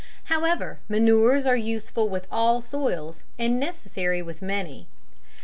" However, manures are useful with all soils, and necessary with many.